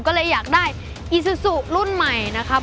ก็เลยอยากได้อีซูซูรุ่นใหม่นะครับ